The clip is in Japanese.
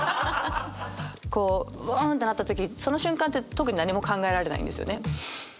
こうウォンってなった時その瞬間って特に何も考えられないんですよね。